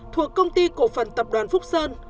thuộc công ty cổ phần tập đoàn phúc sơn